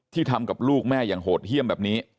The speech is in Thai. ทำกับลูกแม่อย่างโหดเยี่ยมแบบนี้